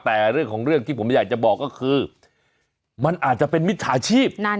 แต่เรื่องของเรื่องที่ผมอยากจะบอกก็คือมันอาจจะเป็นมิจฉาชีพ